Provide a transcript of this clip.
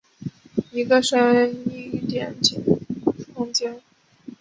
一个深一点的经典例子是三维射影空间里线组成的空间。